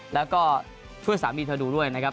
แล้วก็ช่วยสามีเธอดูด้วยนะครับ